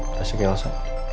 kasian kayak elsa